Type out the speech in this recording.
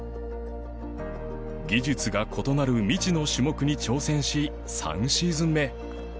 技術が異なる未知の種目に挑戦し３シーズン目